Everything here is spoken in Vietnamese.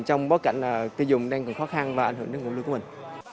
trong bối cảnh là tiêu dùng đang còn khó khăn và ảnh hưởng đến nguồn lưu của mình